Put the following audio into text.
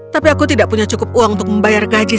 tapi aku tidak punya cukup uang untuk membayar gaji